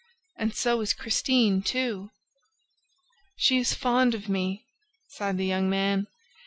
And so is Christine too!" "She is fond of me!" sighed the young man.